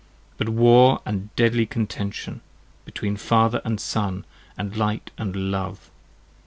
But War and deadly contention, Between Father and Son, and light and love!